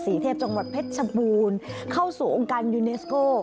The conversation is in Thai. เทพจังหวัดเพชรชบูรณ์เข้าสู่องค์การยูเนสโก้